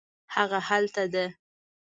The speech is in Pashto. هغه هلته ده